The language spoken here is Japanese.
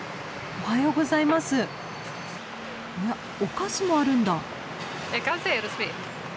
おやお菓子もあるんだ。